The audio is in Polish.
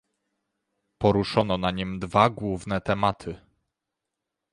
Poruszono na nim dwa główne tematy